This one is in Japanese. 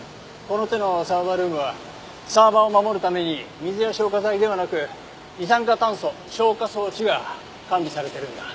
この手のサーバールームはサーバーを守るために水や消火剤ではなく二酸化炭素消火装置が完備されてるんだ。